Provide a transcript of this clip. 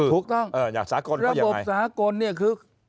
ถูกต้องระบบสากลเนี่ยคือ